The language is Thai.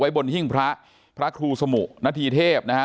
ไว้บนหิ้งพระพระครูสมุนัทธีเทพนะฮะ